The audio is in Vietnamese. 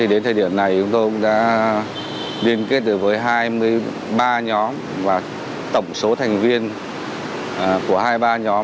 đến thời điểm này chúng tôi cũng đã liên kết được với hai mươi ba nhóm và tổng số thành viên của hai mươi ba nhóm